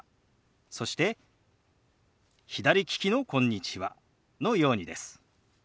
そして左利きの「こんにちは」のようにです。